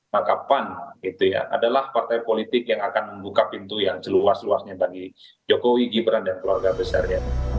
maka pan adalah partai politik yang akan membuka pintu yang seluas luasnya bagi jokowi gibran dan keluarga besarnya